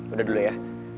udah dulu ya